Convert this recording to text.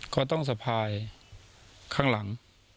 เขาต้องสะพายข้างหลัง